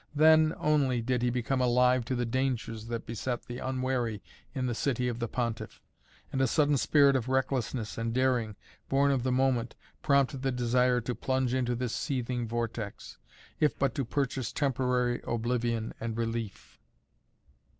Then, only, did he become alive to the dangers that beset the unwary in the city of the Pontiff, and a sudden spirit of recklessness and daring, born of the moment, prompted the desire to plunge into this seething vortex, if but to purchase temporary oblivion and relief.